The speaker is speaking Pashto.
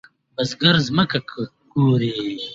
بزګر زمکه کوري.